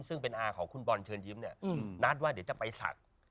ซึ่งเป็นอาของคุณบอลเชิญยิ้มเนี่ยนัดว่าเดี๋ยวจะไปศักดิ์